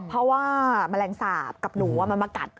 เพราะว่าแมลงสาปกับหนูมันมากัด